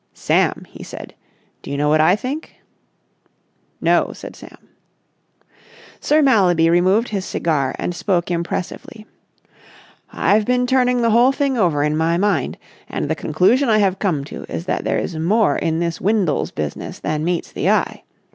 "Sam," he said, "do you know what I think?" "No," said Sam. Sir Mallaby removed his cigar and spoke impressively. "I've been turning the whole thing over in my mind, and the conclusion I have come to is that there is more in this Windles business than meets the eye.